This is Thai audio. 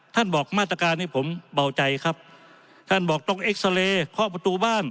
ท่านบอกมาตรการให้ผมเบาใจครับท่านบอกต้องเอ็กซาเลข้อประตูบ้าน